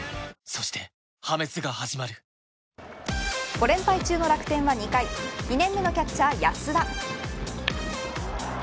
５連敗中の楽天は、２回２年目でキャッチャー安田。